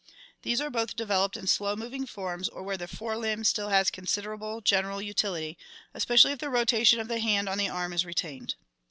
These are both developed in slow moving forms or where the fore limb still has considerable general utility, especially if the rotation of the hand on the arm is retained.